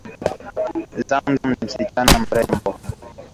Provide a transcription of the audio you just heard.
Zamzam ni msichana mrembo.